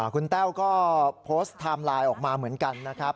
คุณแต้วก็โพสต์ไทม์ไลน์ออกมาเหมือนกันนะครับ